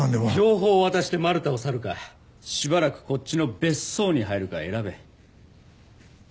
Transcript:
情報を渡してマルタを去るかしばらくこっちの別荘に入るか選べ。